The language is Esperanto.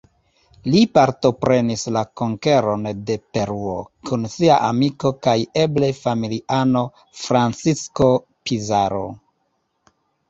Li partoprenis la konkeron de Peruo, kun sia amiko kaj eble familiano Francisco Pizarro.